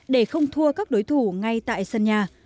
để không thua các đối thủ ngay tại sân nhà